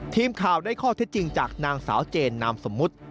ทีมข่าวได้ข้อเท็จจริงจากนางสาวเจนนามสมมุติ